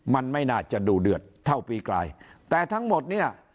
มันไม่น่าจะดูเดือดเท่าปีกลายแต่ทั้งหมดเนี่ย